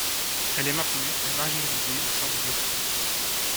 Elle est maintenue, mais marginalisée, au sein du Bureau politique.